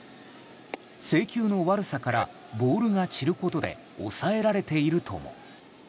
制球の悪さからボールが散ることで抑えられているとも。